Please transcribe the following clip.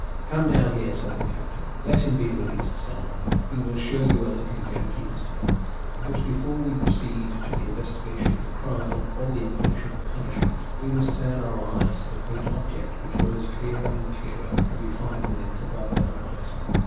"Come down here," said the captain; "let him be released, Solomon; we will show you a little Yankee discipline." But before we proceed to the investigation of the crime, or the infliction of punishment, we must turn our eyes to the great object which rose clearer and clearer every five minutes above the horizon.